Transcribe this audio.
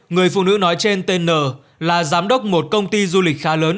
người phụ nữ nói trên tên n là giám đốc một công ty du lịch khá lớn